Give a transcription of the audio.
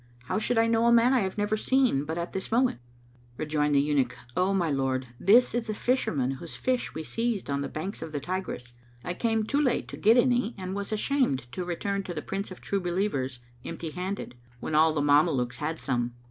How should I know a man I have never seen but at this moment?" Rejoined the Eunuch, "O my lord, this is the Fisherman whose fish we seized on the banks of the Tigris. I came too late to get any and was ashamed to return to the Prince of True Believers, empty handed, when all the Mamelukes had some.